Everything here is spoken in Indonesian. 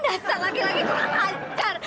dasar laki laki kena hajar